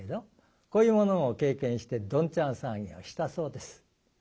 こういうものを経験してどんちゃん騒ぎをしたそうです。